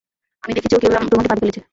আমি দেখেছি ও কীভাবে তোমাকে ফাঁদে ফেলেছে।